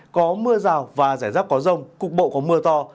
có mưa rào và rải rác có rông cục bộ có mưa to